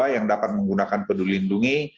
yang dapat menggunakan peduli lindungi